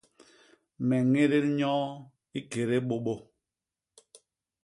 Me ñédél nyoo i kédé bôbô.